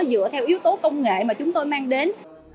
dựa theo yếu tố công nghệ mà chúng tôi mang đến